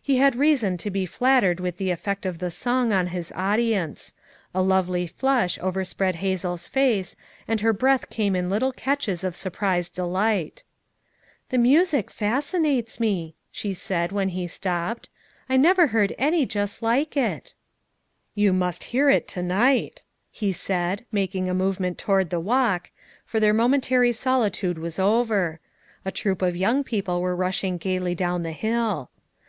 " He had reason to be flattered with the effect of the song on his audience. A lovely flush overspread Hazel's face, and her breath came in little catches of surprised delight. "The music fascinates me," she said when he stopped. "I never heard any just like it." FOUR MOTHERS AT CHAUTAUQUA 175 "You must hear it to night," he said, mak ing a movement toward the walk, — for their momentary solitude was over. A troop of young people were rushing gayly down the hill.